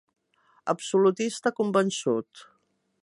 Absolutista convençut.